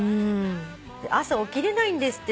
朝起きれないんですって。